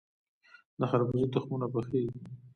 د خربوزې تخمونه پخیږي.